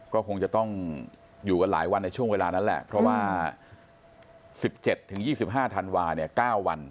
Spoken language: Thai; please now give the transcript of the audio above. ก็คงจะต้องอยู่กันหลายวันในช่วงเวลานั้นแหละเพราะว่า๑๗๒๕ธันวาเนี่ย๙วัน